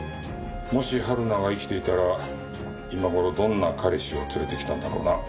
もし春菜が生きていたら今頃どんな彼氏を連れてきたんだろうな。